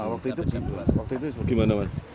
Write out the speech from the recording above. waktu itu gimana mas